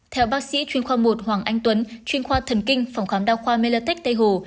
theo bác sĩ chuyên khoa một hoàng anh tuấn chuyên khoa thần kinh phòng khám đa khoa melatech tây hồ